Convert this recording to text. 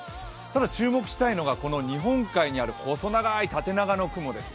ただ注目したいのが日本海にある細長い縦長の雲です。